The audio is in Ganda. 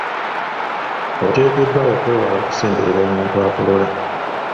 Oteekeddwa okwewala okusemberera omuntu akolola.